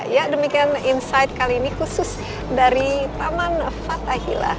ya demikian insight kali ini khusus dari taman fathahillah